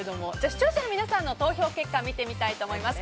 視聴者の皆さんの投票結果、見てみたいと思います。